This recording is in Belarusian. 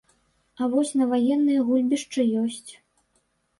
А вось на ваенныя гульбішчы ёсць.